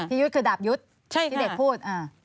ยุทธ์คือดาบยุทธ์ที่เด็กพูด